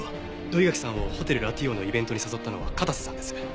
土居垣さんをホテルラティオーのイベントに誘ったのは片瀬さんです。